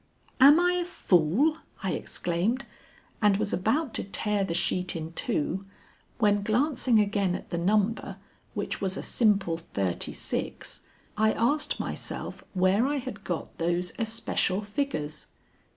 "Am I a fool?" I exclaimed, and was about to tear the sheet in two, when glancing again at the number, which was a simple thirty six, I asked myself where I had got those especial figures.